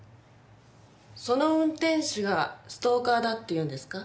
その運転手がストーカーだっていうんですか？